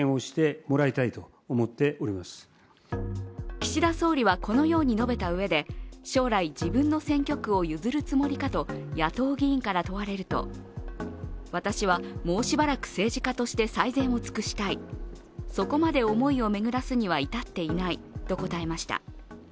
岸田総理はこのように述べたうえで将来、自分の選挙区を譲るつもりかと野党議員から問われると私はもうしばらく政治家として最善を尽くしたい、そこまで思いを巡らすには至っていないと答えました。